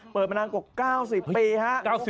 เปิดมานานกว่า๙๐ปี